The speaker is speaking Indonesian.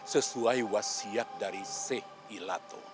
sesuai wasiat dari sheikh ilato